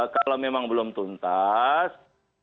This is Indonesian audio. kalau memang belum tuntas